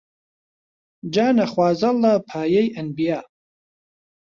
جا نەخوازەڵا پایەی ئەنبیا